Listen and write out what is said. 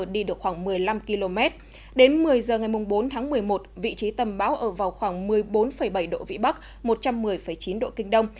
đến một mươi giờ ngày bốn tháng một mươi một vị trí tâm bão ở vào khoảng một mươi bốn bảy độ vĩ bắc một trăm một mươi chín độ kinh đông